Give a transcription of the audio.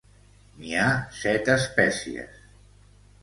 N'hi ha set espècies.